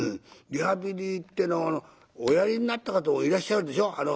リハビリっていうのはおやりになった方もいらっしゃるでしょ。